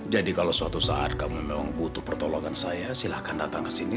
jadi kalau suatu saat kamu memang butuh pertolongan saya silahkan datang ke sini